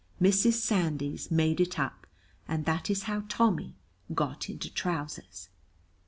Mrs. Sandys "made it up," and that is how Tommy got into trousers.